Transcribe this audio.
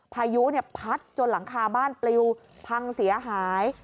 พายุพัดจนหลังคาบ้านปลิวพังเสียหาย